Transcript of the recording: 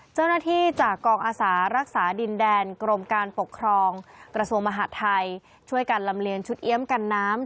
เจ้าหน้าที่จากกองอาสารักษาดินแดนกรมการปกครองกระทรวงมหาดไทยช่วยกันลำเลียงชุดเอี๊ยมกันน้ำ